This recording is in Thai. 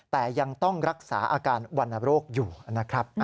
แต่ยังต้องรักษาอาการวรรณโรคอยู่นะครับ